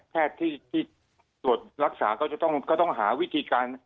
แพทย์ที่ตรวจรักษาก็จะต้องหาวิธีการ